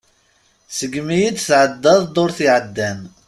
Segmi i d-tɛddaḍ ddurt iɛddan.